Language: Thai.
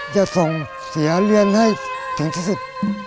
จะส่งเสียเรียนให้ถึงที่สุด